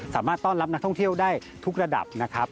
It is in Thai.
สามารถต้อนรับนักท่องเที่ยวได้ทุกระดับนะครับ